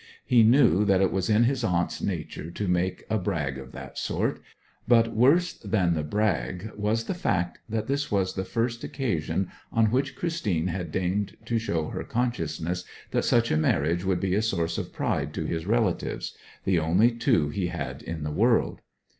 He knew that it was in his aunt's nature to make a brag of that sort; but worse than the brag was the fact that this was the first occasion on which Christine had deigned to show her consciousness that such a marriage would be a source of pride to his relatives the only two he had in the world.